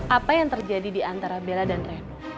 apa yang terjadi diantara bella dan reno